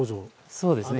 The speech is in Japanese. そうですね。